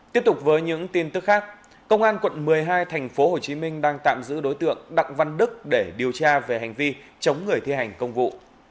tiếp tục với những tin tức khác công an quận một mươi hai tp hcm đang tạm giữ đối tượng đặng văn đức để điều tra về hành vi chống người thi hành công vụ